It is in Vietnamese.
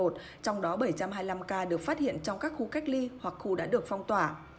trong đó bảy trăm hai mươi năm ca được phát hiện trong các khu cách ly hoặc khu đã được phong tỏa